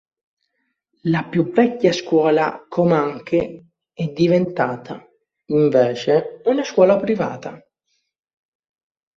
La più vecchia scuola Comanche è diventata, invece, una scuola privata.